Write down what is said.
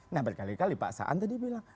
nah berkali kali paksaan tadi bilang